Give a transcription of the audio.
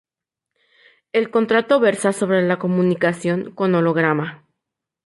El contrato versa sobre la comunicación con holograma.